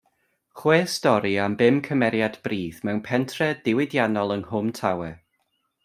Chwe stori am bum cymeriad brith mewn pentre diwydiannol yng Nghwm Tawe.